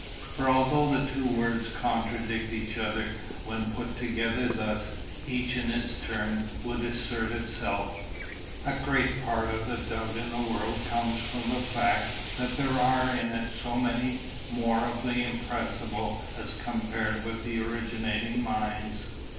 For although the two words contradict each other when put together thus, each in its turn would assert itself. A great part of the doubt in the world comes from the fact that there are in it so many more of the impressible as compared with the originating minds.